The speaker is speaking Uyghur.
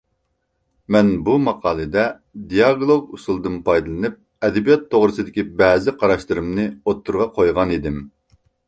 مەن بۇ ماقالىدە دىئالوگ ئۇسۇلىدىن پايدىلىنىپ ئەدەبىيات توغرىسىدىكى بەزى قاراشلىرىمنى ئوتتۇرىغا قويغانىدىم.